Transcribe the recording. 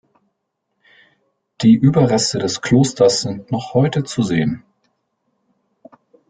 Die Überreste des Klosters sind noch heute zu sehen.